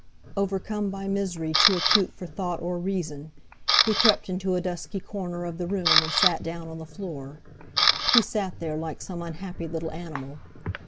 Overcome by misery too acute for thought or reason, he crept into a dusky corner of the room and sat down on the floor. He sat there, like some unhappy little animal.